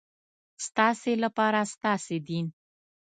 ستاسې لپاره ستاسې دین.